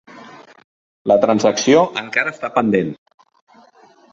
La transacció encara està pendent.